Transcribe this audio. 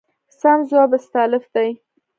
سم ځواب استالف دی.